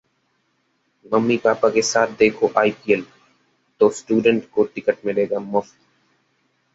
मम्मी-पापा के साथ देखो आईपीएल, तो स्टूडेंट्स को टिकट मिलेगा मुफ्त